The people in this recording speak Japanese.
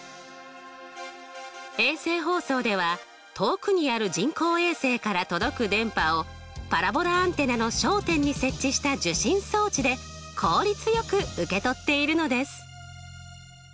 衛星放送では遠くにある人工衛星から届く電波をパラボラアンテナの焦点に設置した受信装置で効率よく受け取っているのです。